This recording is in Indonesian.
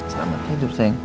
selamat hidup sayang